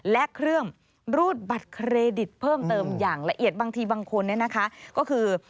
และเครื่องรูดบัตรเครดิตเพิ่มเติมอย่างละเอียดบางทีบางคนเนี่ยนะคะก็คือ